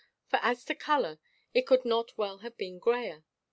For, as to color, it could not well have been greyer.